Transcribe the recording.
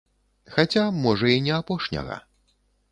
Хаця, можа, і не апошняга.